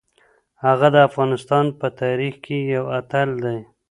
هغه د افغانستان په تاریخ کې یو اتل دی.